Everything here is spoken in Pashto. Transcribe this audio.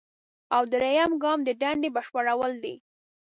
او دریم ګام د دندې بشپړول دي.